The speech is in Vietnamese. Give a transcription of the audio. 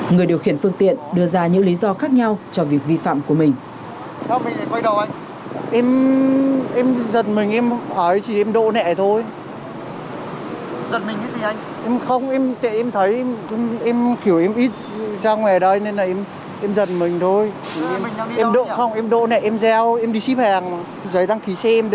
người điều khiển phương tiện đưa ra những lý do khác nhau cho việc vi phạm của mình